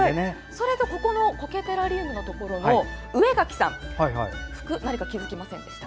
そして、ここのコケテラリウムの上垣さん服、何か気付きませんでした？